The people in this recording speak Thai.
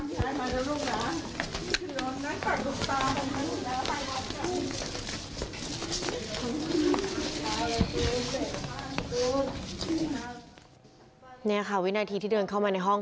มีคุณครูนัทยาค่ะคุณครูที่เป็นหัวหน้าระดับชั้นม๑๓